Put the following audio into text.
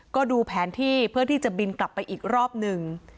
ก็ดูแผนที่เพื่อที่จะบินกลับไปอีกรอบหนึ่ง